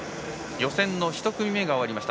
予選の１組目が終わりました。